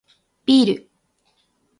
ビール